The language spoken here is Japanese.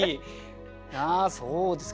そうですか。